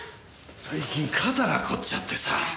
最近肩がこっちゃってさ。